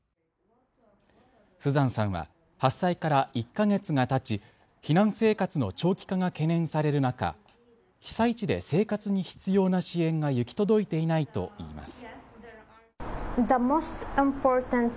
スザンさんは発災から１か月がたち避難生活の長期化が懸念される中、被災地で生活に必要な支援が行き届いていないといいます。